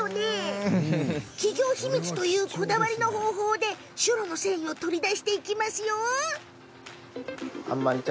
企業秘密というこだわりの方法でシュロの繊維を取り出していきます。